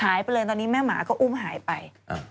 หายไปเลยตอนนี้แม่หมาก็อุ้มหายไป